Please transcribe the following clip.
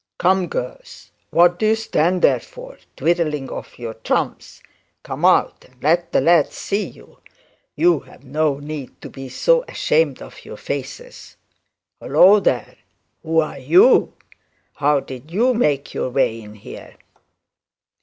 Come, girls, what do you stand there for, twirling of your thumbs? come out, and let the lads see you; you've no need to be so ashamed of your faces. Hello! there, who are you? how did you make your way in here?'